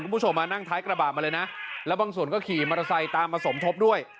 คุณผู้ชมมานั่งท้ายกระบะมาเลยนะแล้วบางส่วนก็ขี่มอเตอร์ไซค์ตามมาสมทบด้วย